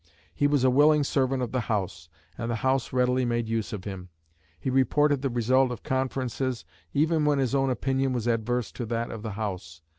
He was a willing servant of the House, and the House readily made use of him. He reported the result of conferences, even when his own opinion was adverse to that of the House.